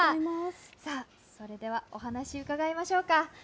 さあ、それではお話伺いましょうか。